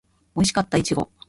おいしかったいちご